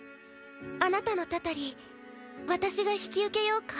あなたの祟り私が引き受けようか？